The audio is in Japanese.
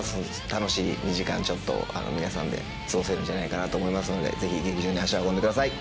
楽しい２時間ちょっとを皆さんで過ごせるんじゃないかなと思いますのでぜひ劇場に足を運んでください。